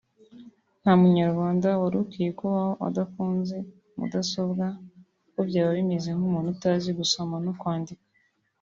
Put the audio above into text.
nta munyarwanda wari ukwiye kubaho adatunze mudasobwa kuko byaba bimeze nk’umuntu utazi gusoma no kwandika